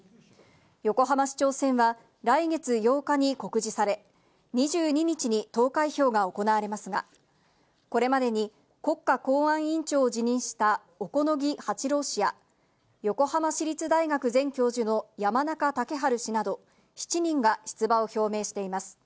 横浜市長選は、来月８日に告示され、２２日に投開票が行われますが、これまでに国家公安委員長を辞任した小此木八郎氏や、横浜市立大学前教授の山中竹春氏など、７人が出馬を表明しています。